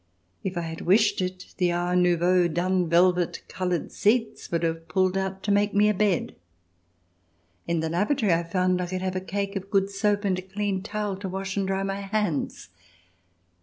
If I had wished it, the art nonveau dun velvet coloured seats would have pulled out to make me a bed. In the lavatory, I found I could have a cake of good soap and a clean towel to wash and dry my hands.